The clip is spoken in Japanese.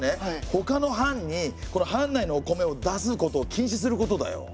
ほかの藩に藩内のお米を出すことを禁止することだよ。